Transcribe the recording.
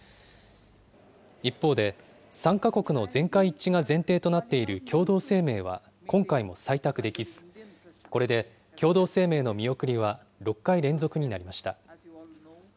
一方で参加国の全会一致が前提となっている共同声明は今回も採択できず、これで共同声明の見送りは６回連続になりました。